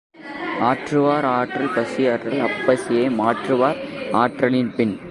ஆற்றுவார் ஆற்றல் பசியாற்றல் அப்பசியை மாற்றுவார் ஆற்றலின் பின்.